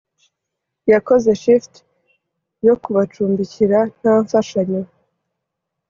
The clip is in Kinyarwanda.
Yakoze shift yo kubacumbikira nta mfashanyo